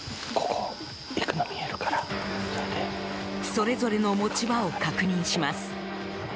それぞれの持ち場を確認します。